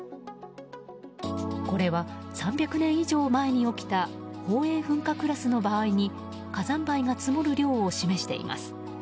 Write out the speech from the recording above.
これは、３００年以上前に起きた宝永噴火クラスの場合に火山灰が積もる量を示しています。